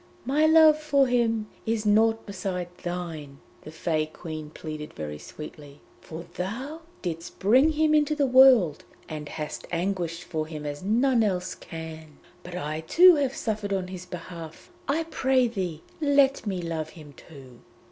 'My love for him is nought beside thine,' the Fée Queen pleaded very sweetly, 'for thou didst bring him into the world, and hast anguished for him as none else can. But I too have suffered on his behalf; I pray thee, let me love him too!'